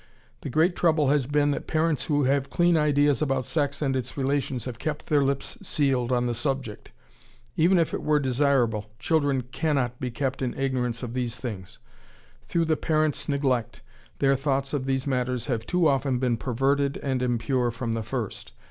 The great trouble has been that parents who have clean ideas about sex and its relations have kept their lips sealed on the subject.... Even if it were desirable, children cannot be kept in ignorance of these things. Through the parents' neglect their thoughts of these matters have too often been perverted and impure from the first.